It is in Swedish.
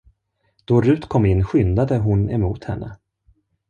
Då Rut kom in, skyndade hon emot henne.